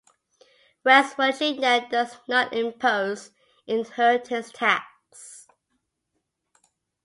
West Virginia does not impose an inheritance tax.